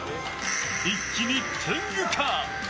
一気に天狗化！